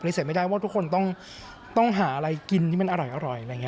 ใส่ไม่ได้ว่าทุกคนต้องหาอะไรกินที่มันอร่อยอะไรอย่างนี้